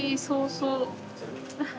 そう、そう。